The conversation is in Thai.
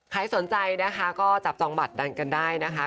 ใครสนใจนะคะก็จับจองบัตรดันกันได้นะคะ